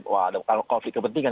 wah ada konflik kepentingan